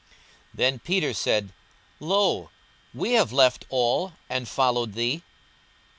42:018:028 Then Peter said, Lo, we have left all, and followed thee.